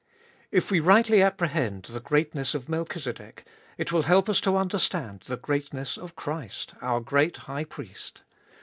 If we rightly appre hend the greatness of Melchizedek, it will help us to understand the greatness of Christ, our great High Priest.